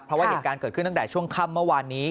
เพราะว่าเหตุการณ์เกิดขึ้นตั้งแต่ช่วงค่ำเมื่อวานนี้